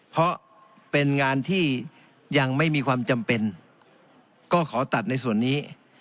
เพราะเป็นงานที่ยังไม่มีความจำเป็นก็ขอตัดในส่วนนี้